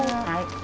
はい。